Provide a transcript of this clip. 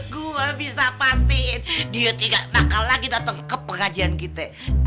gua bisa pasti dia tidak nakal lagi datang ke pengajian kita